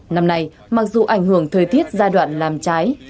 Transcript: năm nay mặc dù ảnh hưởng thời tiết giai đoạn làm trái